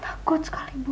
takut sekali bu